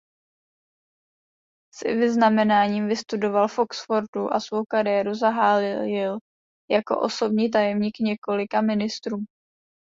S vyznamenáním vystudoval v Oxfordu a svou kariéru zahájil jako osobní tajemník několika ministrů.